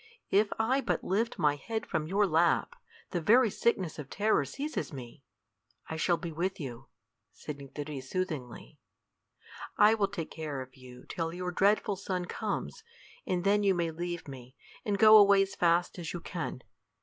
If I but lift my head from your lap, the very sickness of terror seizes me." "I shall be with you," said Nycteris, soothingly. "I will take care of you till your dreadful sun comes, and then you may leave me, and go away as fast as you can.